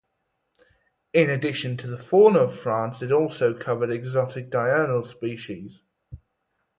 In addition to the fauna of France, it also covered exotic diurnal species.